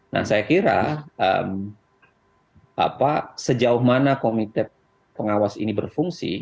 nah saya kira sejauh mana komite pengawas ini berfungsi